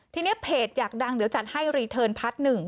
ทีนี้เพจอยากดังเดี๋ยวจัดให้รีเทิร์นพาร์ทหนึ่ง